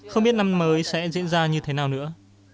không biết năm mới sẽ diễn ra như thế nào nữa